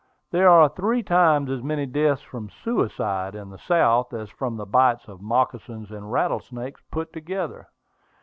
There are three times as many deaths from suicide in the South, as from the bites of moccasins and rattlesnakes put together.